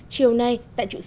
chiều nay tại trung quốc